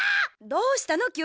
どうしたの？